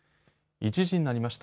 １時になりました。